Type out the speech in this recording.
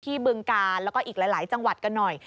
บึงกาลแล้วก็อีกหลายจังหวัดกันหน่อย